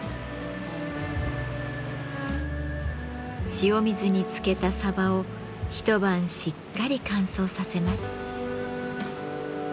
塩水につけたサバを一晩しっかり乾燥させます。